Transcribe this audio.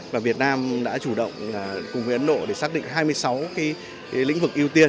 và việt nam đã chủ động cùng với ấn độ để xác định hai mươi sáu cái lĩnh vực ưu tiên